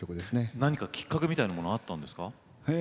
何かきっかけみたいなのはあったんですか？